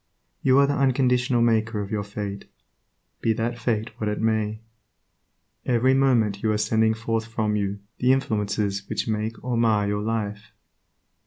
You are the unconditional maker of your fate, be that fate what it may. Every moment you are sending forth from you the influences which will make or mar your life.